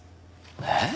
えっ！？